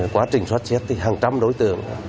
quá trình xoát xét thì hàng trăm đối tượng